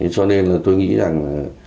cho nên tôi nghĩ rằng